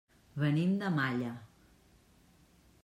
Venim de Malla.